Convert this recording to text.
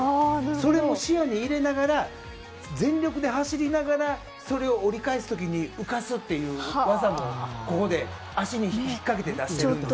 それを視野に入れながら全力で走りながらそれを折り返す時に浮かすっていう技もここで足に引っ掛けて出してるんです。